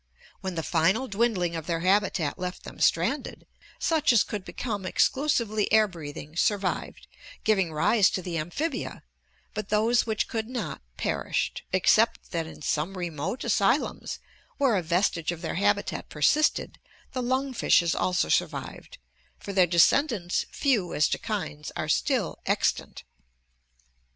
When the final dwindling of their habitat left them stranded, such as could become exclusively air breathing survived, giving rise to the amphibia, but those which could not, perished, except that in some remote asylums where a vestige of their habitat persisted the lung fishes also survived, for their descendants, few as to kinds, are still extant.